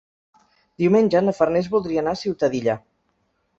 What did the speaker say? Diumenge na Farners voldria anar a Ciutadilla.